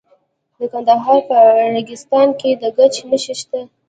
د کندهار په ریګستان کې د ګچ نښې شته.